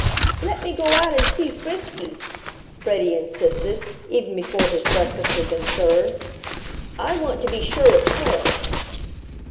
"Let me go out and see Frisky," Freddie insisted, even before his breakfast had been served. "I want to be sure it's her."